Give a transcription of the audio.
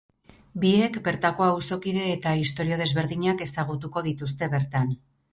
Biek bertako auzokide eta istorio desberdinak ezagutuko dituzte bertan.